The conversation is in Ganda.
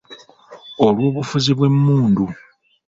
Olw’obufuzi bw’emmundu.